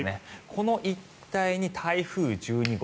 この一帯に台風１２号